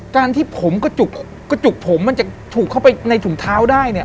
การที่กระจุกผมเขาก็ถูกเข้าไปในถุงเท้าได้เนี่ย